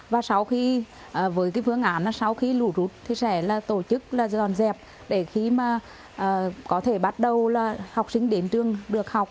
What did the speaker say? và sau khi với cái phương án là sau khi lũ rút thì sẽ tổ chức là dọn dẹp để khi mà có thể bắt đầu là học sinh đến trường được học